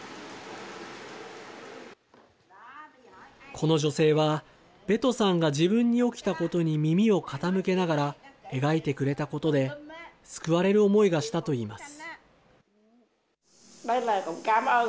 この女性は、ベトさんが自分に起きたことに耳を傾けながら描いてくれたことで、救われる思いがしたといいます。